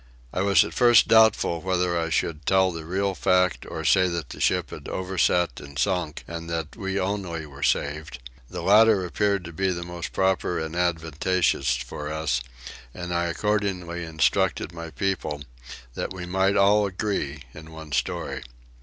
I was at first doubtful whether I should tell the real fact or say that the ship had overset and sunk, and that we only were saved: the latter appeared to be the most proper and advantageous for us, and I accordingly instructed my people, that we might all agree in one story.